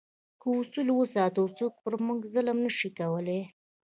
که اصول وساتو، څوک پر موږ ظلم نه شي کولای.